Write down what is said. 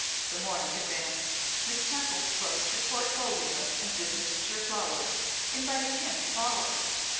The morning advanced; Miss Temple closed her portfolio and visited her flowers, inviting him to follow her.